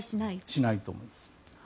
しないと思います。